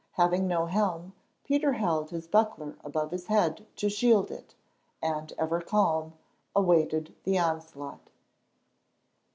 Having no helm, Peter held his buckler above his head to shelter it, and, ever calm, awaited the onslaught.